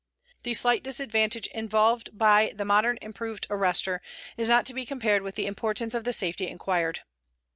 The slight disadvantage involved by the modern improved arrester is not to be compared with the importance of the safety acquired.